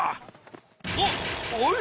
あっあれ？